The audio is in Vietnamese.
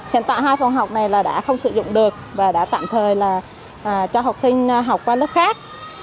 hiện tại hai phòng học này là đã không sử dụng được và đã tạm thời là cho học sinh học qua lớp khác